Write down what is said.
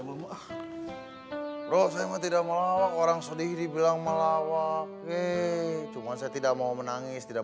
mau roh saya tidak mau orang sedih dibilang malawa eh cuma saya tidak mau menangis tidak